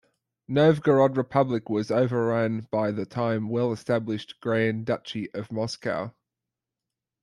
Novgorod Republic was overran by the time well-established Grand Duchy of Moscow.